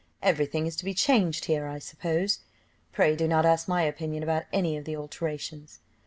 Every thing is to be changed here, I suppose, pray do not ask my opinion about any of the alterations."